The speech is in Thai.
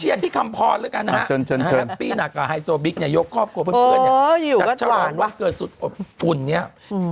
เอาเวลาอังกฤษแล้วเนี่ย